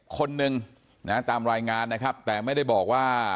คนหนึ่งนะตามรายงานนะครับแต่ไม่ได้บอกว่า